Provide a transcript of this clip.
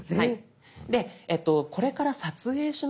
で「これから撮影しますか？」